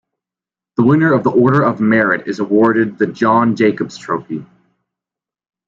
The winner of the Order of Merit is awarded the John Jacobs Trophy.